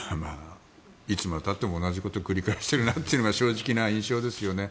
いつまでたっても同じことを繰り返しているなというのが正直な印象ですよね。